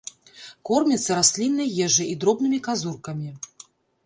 Корміцца расліннай ежай і дробнымі казуркамі.